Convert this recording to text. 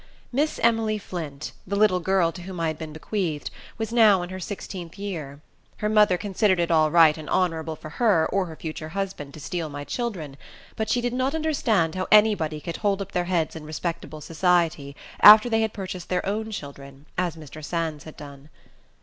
Miss Emily Flint, the little girl to whom I had been bequeathed, was now in her sixteenth year. Her mother considered it all right and honorable for her, or her future husband, to steal my children; but she did not understand how any body could hold up their heads in respectable society, after they had purchased their own children, as Mr. Sands had done. Dr.